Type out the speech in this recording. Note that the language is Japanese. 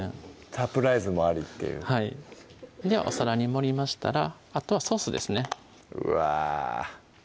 サプライズもありっていうはいではお皿に盛りましたらあとはソースですねうわ